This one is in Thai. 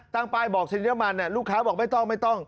ตั้งป้ายบอกเชนียมันลูกค้าบอกไม่ต้องไม่ต้อง